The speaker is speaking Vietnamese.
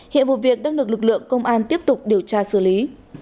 hiện vụ việc đang được lực lượng công an tiếp tục điều tra xử lý